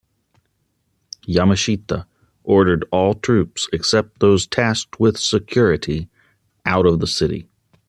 Yamashita ordered all troops, except those tasked with security, out of the city.